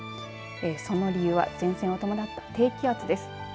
その理由は前線を伴った低気圧です。